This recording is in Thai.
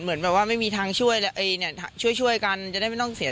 เหมือนแบบว่าไม่มีทางช่วยเนี่ยช่วยกันจะได้ไม่ต้องเสีย